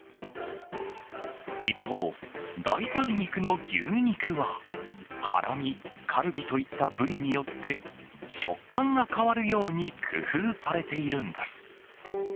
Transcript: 一方、代替肉の牛肉はハラミ、カルビといった部位によって食感が変わるように工夫されているんです。